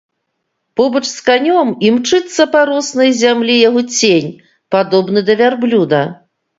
Побач з канём імчыцца па роснай зямлі яго цень, падобны да вярблюда.